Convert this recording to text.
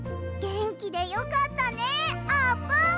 げんきでよかったねあーぷん！